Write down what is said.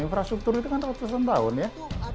infrastruktur itu kan ratusan tahun ya